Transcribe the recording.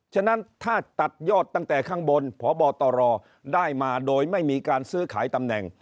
ฉะนั้นถ้าตัดยอดตั้งแต่ข้างบนพบตรได้มาโดยไม่มีการซื้อขายตำแหน่ง